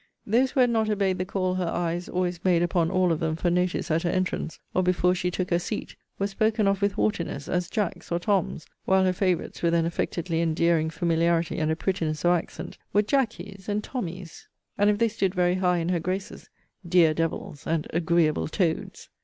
Those who had not obeyed the call her eyes always made upon all of them for notice at her entrance, or before she took her seat, were spoken of with haughtiness, as, Jacks, or Toms; while her favourites, with an affectedly endearing familiarity, and a prettiness of accent, were Jackeys and Tommys; and if they stood very high in her graces, dear devils, and agreeable toads.